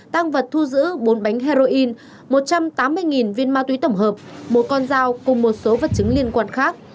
tăng vật thu giữ bốn bánh heroin một trăm tám mươi viên ma túy tổng hợp một con dao cùng một số vật chứng liên quan khác